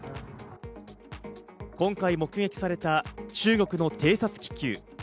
今回、目撃された中国の偵察気球。